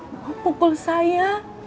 mau pukul saya